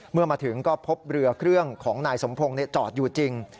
เมื่อมาถึงก็พบเรือเครื่องของนายสมพงศ์จอดอยู่จริง